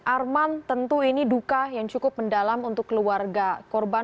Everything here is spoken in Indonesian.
arman tentu ini duka yang cukup mendalam untuk keluarga korban